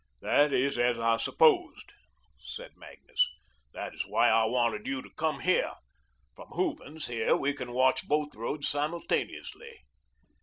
"That is as I supposed," said Magnus. "That is why I wanted you to come here. From Hooven's, here, we can watch both roads simultaneously."